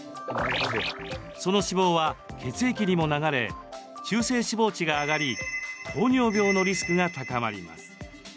その脂肪は血液にも流れ中性脂肪値が上がり糖尿病のリスクが高まります。